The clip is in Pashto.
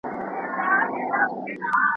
او ابۍ به دي له کوم رنځه کړیږي